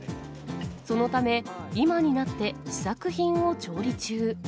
そのため、今になって試作品を調理中。